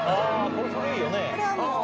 これ古いよね。